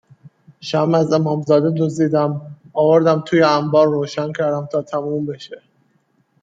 شمع از امامزاده دزدیدم، آوردم توی انبار روشن کردم تا تموم بشه